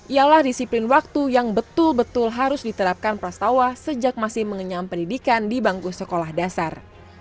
ialah disiplin waktu yang betul betul harus diterapkan prastawa sejak masih mengenyam pendidikan di bangku sekolah dasar